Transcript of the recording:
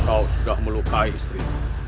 kau sudah melukai istri